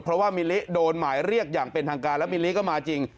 เพราะว่ามิลลิโดนหมายเรียกอย่างเป็นทางการแล้วมิลลิก็มาจริง